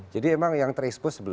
jadi memang yang terekspos sebelas